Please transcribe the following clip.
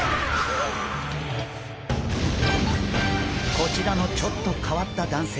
こちらのちょっと変わった男性。